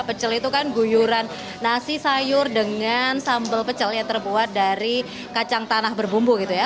pecel itu kan guyuran nasi sayur dengan sambal pecel yang terbuat dari kacang tanah berbumbu gitu ya